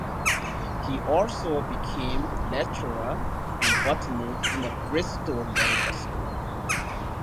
He also became lecturer on botany in the Bristol medical school.